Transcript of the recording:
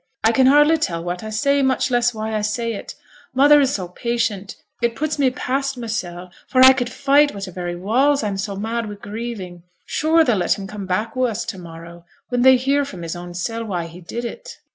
I can hardly tell what I say, much less why I say it. Mother is so patient, it puts me past mysel', for I could fight wi' t' very walls, I'm so mad wi' grieving. Sure, they'll let him come back wi' us to morrow, when they hear from his own sel' why he did it?'